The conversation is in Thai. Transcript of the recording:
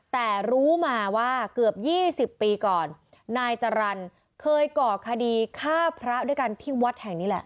แต่รู้มาว่าเกือบ๒๐ปีก่อนนายจรรย์เคยก่อคดีฆ่าพระด้วยกันที่วัดแห่งนี้แหละ